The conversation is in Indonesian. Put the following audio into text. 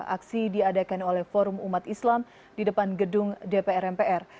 aksi diadakan oleh forum umat islam di depan gedung dpr mpr